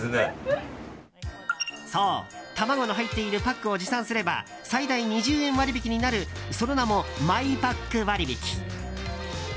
そう、卵の入っているパックを持参すれば最大２０円割引になるその名もマイパック割引。